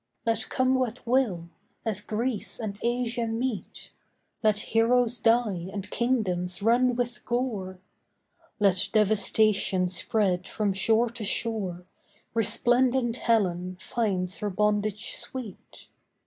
Let come what will, let Greece and Asia meet, Let heroes die and kingdoms run with gore; Let devastation spread from shore to shore— Resplendent Helen finds her bondage sweet.